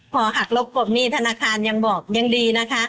พอหักลบกบนี่ธนาคารยังบอกยังดีนะคะ